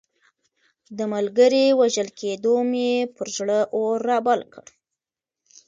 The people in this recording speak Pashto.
د ملګري وژل کېدو مې پر زړه اور رابل کړ.